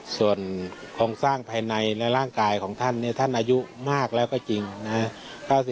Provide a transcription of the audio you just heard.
ส่วนโครงสร้างภายในและร่างกายของท่านเนี่ยท่านอายุมากแล้วก็จริงนะครับ